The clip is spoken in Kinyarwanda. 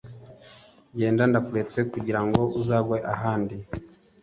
genda ndakuretse kugirango uzagwe ahandi.